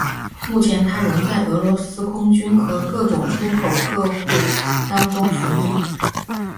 目前它仍在俄罗斯空军和各种出口客户当中服役。